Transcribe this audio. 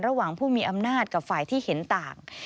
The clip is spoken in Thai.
ระหว่างผู้มีอำนาจกับฝ่ายที่เห็นต่าง